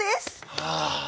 ああ。